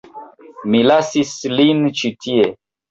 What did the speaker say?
Mi lasis lin ĉi tie.